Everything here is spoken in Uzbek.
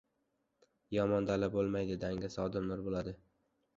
• Yomon dala bo‘lmaydi, dangasa odamlar bo‘ladi.